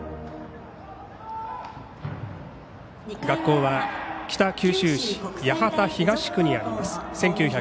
学校は北九州市八幡東区にあります。